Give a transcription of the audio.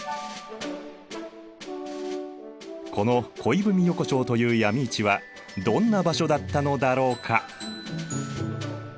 この恋文横丁という闇市はどんな場所だったのだろうか。